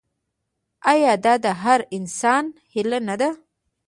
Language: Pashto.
آیا دا د هر انسان هیله نه ده؟